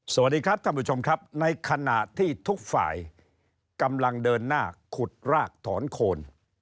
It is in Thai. สวัสดีครับท่านผู้ชมครับในขณะที่ทุกฝ่ายกำลังเดินหน้าขุดรากถอนโคน